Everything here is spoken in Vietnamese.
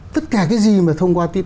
tất cả cái gì mà thông qua tin